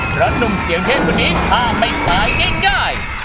เพราะหนุ่มเสียงเทพคนนี้ถ้าไม่ตายง่าย